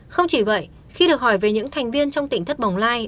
không chỉ vậy khi được hỏi về những thành viên trong tỉnh thất bồng lai